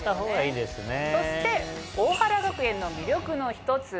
そして大原学園の魅力の一つは。